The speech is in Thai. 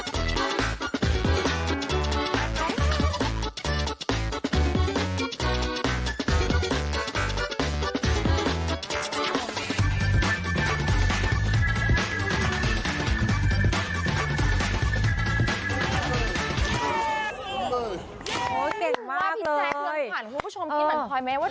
เก่งมากเลย